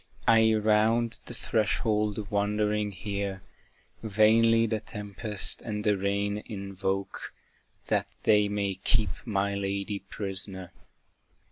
I round the threshold wandering here, Vainly the tempest and the rain invoke, That they may keep my lady prisoner.